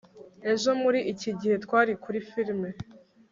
ejo muri iki gihe, twari kuri firime